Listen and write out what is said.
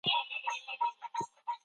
د طبیعت تقلید په شعر کې څنګه څرګندېږي؟